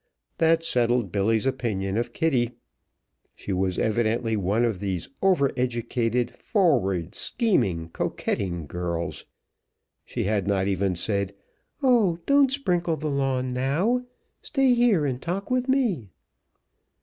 That settled Billy's opinion of Kitty! She was evidently one of these over educated, forward, scheming, coquetting girls. She had not even said, "Oh! don't sprinkle the lawn now; stay here and talk with me."